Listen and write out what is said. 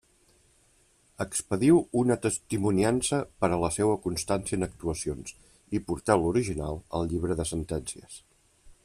Expediu una testimoniança per a la seua constància en actuacions, i porteu l'original al llibre de sentències.